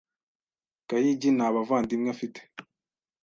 Gahigi nta bavandimwe afite.